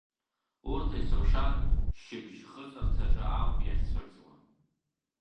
Урҭ есымша шьыбжь-хыҵырҭаҿы ауп иахьцәырҵуа!